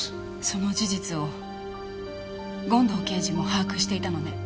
その事実を権藤刑事も把握していたのね？